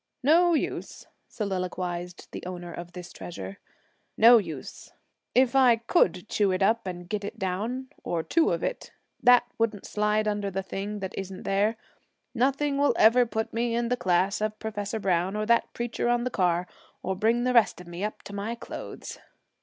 'No use,' soliloquized the owner of this treasure, 'no use. If I could chew it up and get it down, or two of it, that wouldn't slide under the thing that isn't there. Nothing will ever put me in the class of Professor Browne or that preacher on the car, or bring the rest of me up to my clothes.'